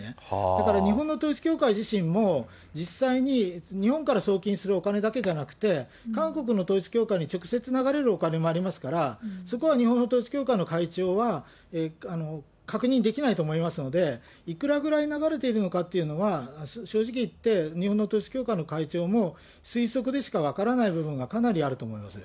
だから日本の統一教会自身も、実際に日本から送金するお金だけではなくて、韓国の統一教会に直接流れるお金もありますから、そこは日本の統一教会の会長は、確認できないと思いますので、いくらぐらい流れているかというのは、正直言って、日本の統一教会の会長も推測でしか分からない部分がかなりあると思います。